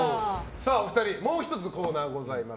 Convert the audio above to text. お二人もう１つコーナーがございます。